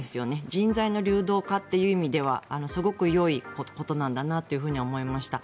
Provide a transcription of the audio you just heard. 人材の流動化という意味ではすごくよいことなんだなと思いました。